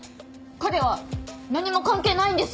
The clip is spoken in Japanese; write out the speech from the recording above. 彼は何も関係ないんです！